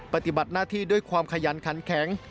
ปฏิบัติหน้าที่ด้วยความขยันขันแข็ง